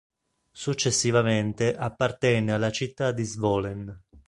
Successivamente appartenne alla città di Zvolen.